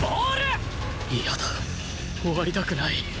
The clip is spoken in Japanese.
嫌だ終わりたくない